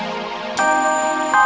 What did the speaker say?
kamu sudah selesai